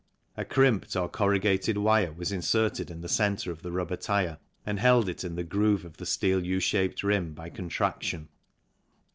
A crimped or corrugated wire was inserted in the centre of the rubber tyre and held it in the groove of the steel U shaped rim by contraction.